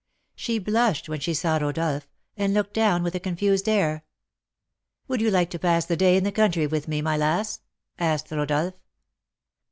She blushed when she saw Rodolph, and looked down with a confused air. "Would you like to pass the day in the country with me, my lass?" asked Rodolph.